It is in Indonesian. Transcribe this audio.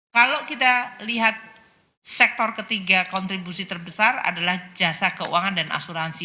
kalau kita lihat sektor ketiga kontribusi terbesar adalah jasa keuangan dan asuransi